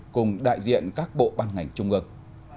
cùng đại diện các bộ ban ngành trung ương